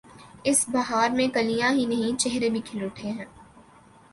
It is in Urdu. اس بہار میں کلیاں ہی نہیں، چہرے بھی کھل اٹھے ہیں۔